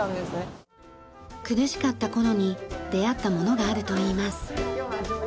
苦しかった頃に出合ったものがあるといいます。